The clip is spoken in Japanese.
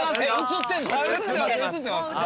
映ってます。